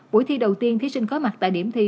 buổi thi đầu tiên thí sinh có mặt tại điểm thi